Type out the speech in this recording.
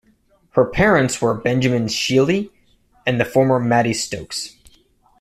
Her parents were Benjamin Shealey and the former Mattie Stokes.